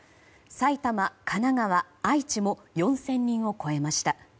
埼玉、神奈川、愛知も４０００人を超えました。